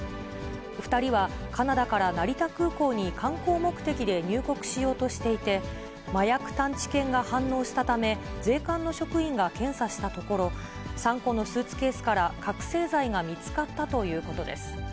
２人はカナダから成田空港に観光目的で入国しようとしていて、麻薬探知犬が反応したため、税関の職員が検査したところ、３個のスーツケースから覚醒剤が見つかったということです。